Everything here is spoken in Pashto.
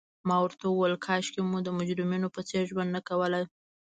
ما ورته وویل: کاشکي مو د مجرمینو په څېر ژوند نه کولای.